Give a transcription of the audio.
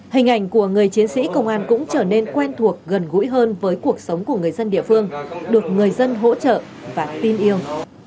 hình ảnh của người chiến sĩ công an cũng trở nên quen thuộc gần gũi hơn với cuộc sống của người dân địa phương được người dân hỗ trợ và tin yêu